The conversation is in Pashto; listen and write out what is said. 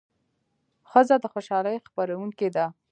ښځه د خوشالۍ خپروونکې ده.